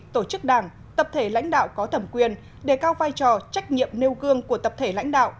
tổ chức đảng tập thể lãnh đạo có thẩm quyền đề cao vai trò trách nhiệm nêu gương của tập thể lãnh đạo